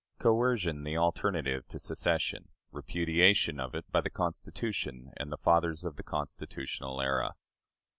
Coercion the Alternative to Secession. Repudiation of it by the Constitution and the Fathers of the Constitutional Era.